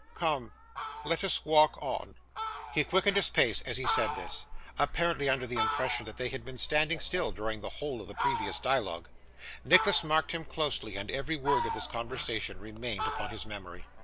Come, let us walk on.' He quickened his pace as he said this, apparently under the impression that they had been standing still during the whole of the previous dialogue. Nicholas marked him closely, and every word of this conversation remained upon his memory.